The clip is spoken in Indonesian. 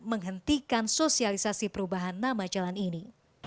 menghentikan sosialisasi perubahan nama jalan ini